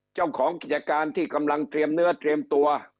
เจ้าของกิจการที่กำลังเตรียมเนื้อเตรียมตัว